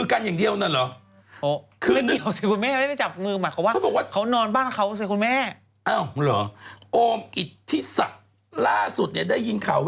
แกเกลียวมากคือจับมือกันอย่างเดียวนะ